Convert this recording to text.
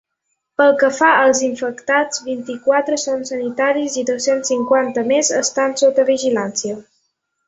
Pel que fa als infectats, vint-i-quatre són sanitaris i dos-cents cinquanta més estan sota vigilància.